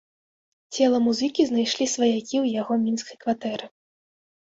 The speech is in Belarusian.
Цела музыкі знайшлі сваякі ў яго мінскай кватэры.